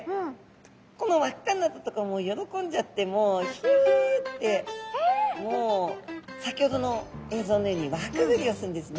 この輪っかになったとこ喜んじゃってもうひゅって先ほどの映像のように輪くぐりをするんですね。